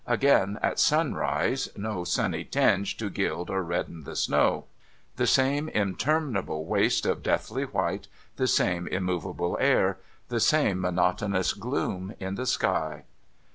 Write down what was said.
Again at sunrise, no sunny tinge to gild or redden the snow. The same interminable waste of deathly white ; the same immovable air ; the same monotonous gloom in the sky.